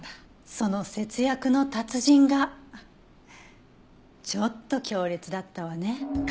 その節約の達人がちょっと強烈だったわね。